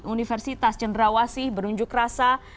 universitas jendrawasih berunjuk rasa